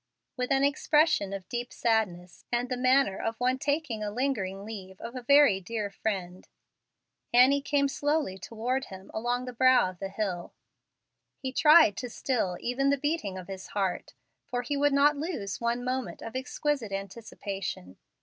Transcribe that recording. With an expression of deep sadness, and the manner of one taking a lingering leave of a very dear friend, Annie came slowly toward him along the brow of the hill. He tried to still even the beating of his heart, for he would not lose one moment of exquisite anticipation.